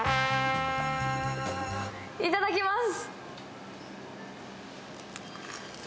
いただきます。